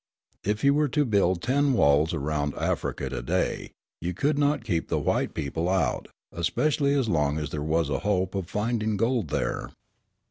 If you were to build ten walls around Africa to day you could not keep the white people out, especially as long as there was a hope of finding gold there.